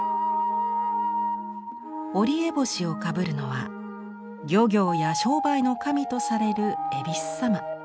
折烏帽子をかぶるのは漁業や商売の神とされる恵比寿様。